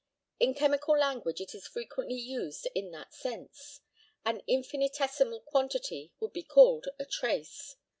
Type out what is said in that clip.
In chemical language it is frequently used in that sense. An infinitesimal quantity would be called "a trace."